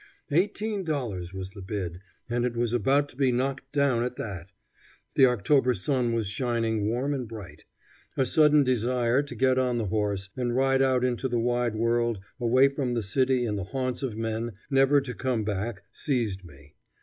Eighteen dollars was the bid, and it was about to be knocked down at that. The October sun was shining warm and bright. A sudden desire to get on the horse and ride out into the wide world, away from the city and the haunts of men, never to come back, seized me.